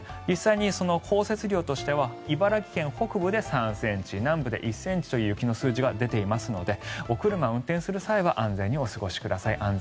実際に降雪量としては茨城県北部で３ｃｍ南部で１ｃｍという雪の数字が出ていますのでお車を運転する際は安全にお過ごしください。